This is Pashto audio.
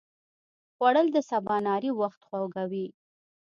خوړل د سباناري وخت خوږوي